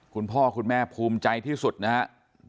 คุณพ่อคุณแม่ภูมิใจที่สุดนะครับ